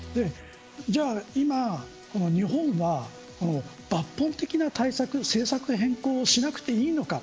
じゃあ今、日本は抜本的な対策政策変更しなくていいのか。